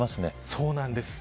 そうなんです。